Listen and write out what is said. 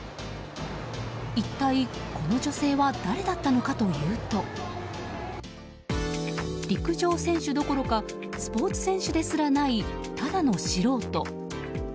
一体、この女性は誰だったのかというと陸上選手どころかスポーツ選手ですらないただの素人。